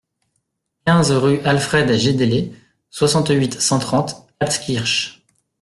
quinze rue Alfred Jédélé, soixante-huit, cent trente, Altkirch